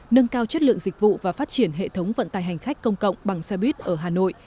nâng cao chất lượng dịch vụ và phát triển hệ thống vận tài hành khách công cộng bằng xe buýt ở hà nội